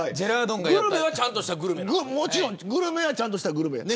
グルメはグルメはちゃんとしたグルメです。